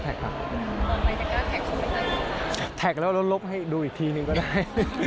แท็กแล้วแล้วลบให้ดูอีกทีนึงก็ได้